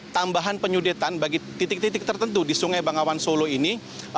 tambahan penyudetan bagi titik titik tertentu di sungai bangawan solo ini